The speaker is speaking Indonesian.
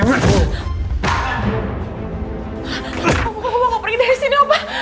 gue mau pergi dari sini mbak